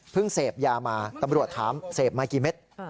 เสพยามาตำรวจถามเสพมากี่เม็ด